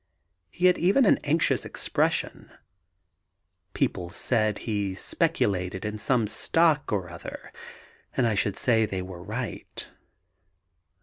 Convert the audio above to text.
He had even an anxious expression. People said he speculated in some stock or other, and I should say they were right.